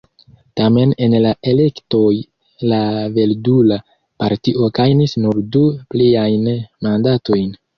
Tamen en la elektoj la Verdula Partio gajnis nur du pliajn mandatojn.